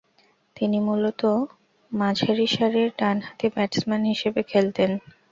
তিনি মূলতঃ মাঝারিসারির ডানহাতি ব্যাটসম্যান হিসেবে খেলতেন।